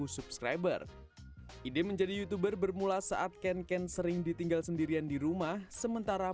subscriber ide menjadi youtuber bermula saat ken ken sering ditinggal sendirian di rumah sementara